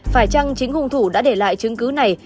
phải chăng chính hung thủ đã để lại chứng cứ này